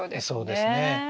そうですね。